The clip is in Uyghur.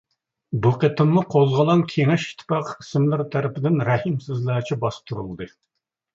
بۇ قېتىممۇ قوزغىلاڭ كېڭەش ئىتتىپاقى قىسىملىرى تەرىپىدىن رەھىمسىزلەرچە باستۇرۇلدى.